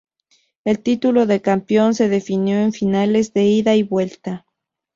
El título de campeón se definió en finales de ida y vuelta.